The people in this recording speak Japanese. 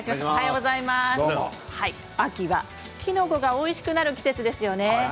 秋はキノコがおいしくなる季節ですよね。